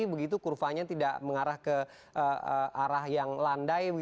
begitu kurvanya tidak mengarah ke arah yang landai